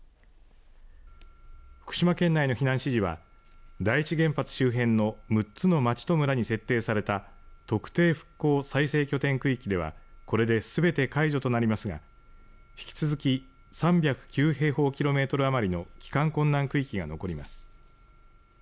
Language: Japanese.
福島県内の避難指示は第一原発周辺の６つの町と村に設定された特定復興再生拠点区域ではこれですべて解除となりますが引き続き３０９平方キロメートル余りの帰還困難区域が残ります。